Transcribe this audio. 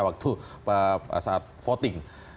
waktu saat voting